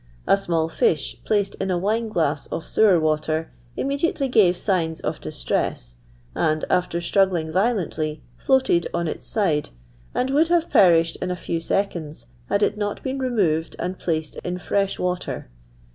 A small fish, placed in a wine glass of sewer water, imme diately gave signs of distress, and, after struggling violently, floated on its side, and would have perished in a few seconds, had it not been re moved and placed in fresh water.